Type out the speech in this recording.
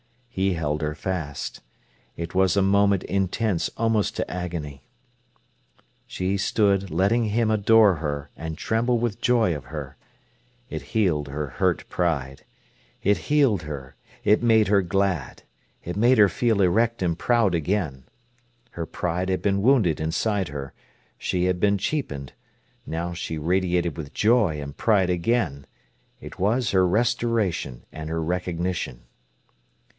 He held her fast. It was a moment intense almost to agony. She stood letting him adore her and tremble with joy of her. It healed her hurt pride. It healed her; it made her glad. It made her feel erect and proud again. Her pride had been wounded inside her. She had been cheapened. Now she radiated with joy and pride again. It was her restoration and her recognition.